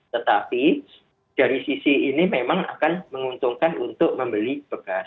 tetapi dari sisi ini memang akan menguntungkan untuk membeli bekas